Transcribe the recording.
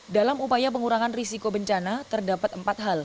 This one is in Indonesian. dalam upaya pengurangan risiko bencana terdapat empat hal